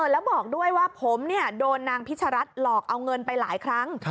แล้วบอกด้วยว่าผมโดนนางพิชรัฐหลอกเอาเงินไปหลายครั้ง